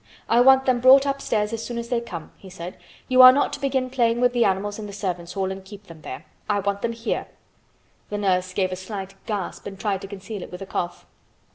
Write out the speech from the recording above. I want them brought upstairs as soon as they come," he said. "You are not to begin playing with the animals in the servants' hall and keep them there. I want them here." The nurse gave a slight gasp and tried to conceal it with a cough.